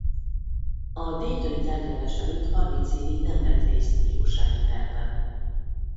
A daytoni tárgyalás előtt harminc évig nem vett részt bírósági perben.